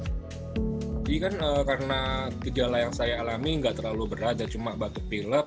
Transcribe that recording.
jadi kan karena gejala yang saya alami gak terlalu berat dan cuma batuk pilak